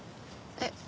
えっ？